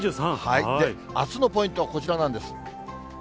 あすのポイント、こちらなんです。